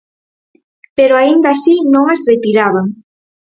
Pero aínda así non as retiraban.